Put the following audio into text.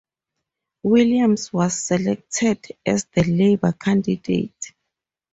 Williams was selected as the Labour candidate.